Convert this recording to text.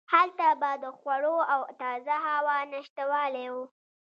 هلته به د خوړو او تازه هوا نشتوالی و.